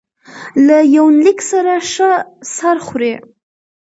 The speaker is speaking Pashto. نو له يونليک سره ښه سر خوري